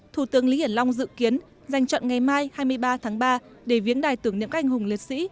thủ tướng lý hiển long dự kiến dành chọn ngày mai hai mươi ba tháng ba để viếng đài tưởng niệm các anh hùng liệt sĩ